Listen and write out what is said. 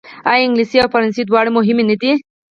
آیا انګلیسي او فرانسوي دواړه مهمې نه دي؟